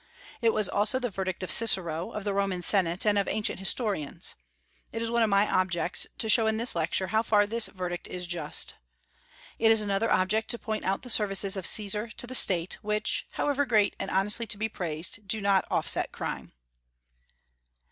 It was also the verdict of Cicero, of the Roman Senate, and of ancient historians. It is one of my objects to show in this lecture how far this verdict is just. It is another object to point out the services of Caesar to the State, which, however great and honestly to be praised, do not offset crime.